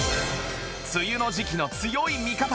梅雨の時季の強い味方！